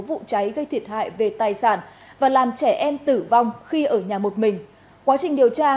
vụ cháy gây thiệt hại về tài sản và làm trẻ em tử vong khi ở nhà một mình quá trình điều tra